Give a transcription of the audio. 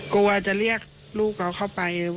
กลัวจะเรียกลูกเราเข้าไป